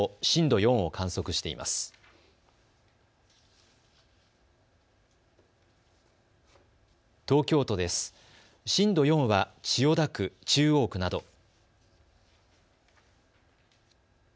震度４は千代田区、中央区など。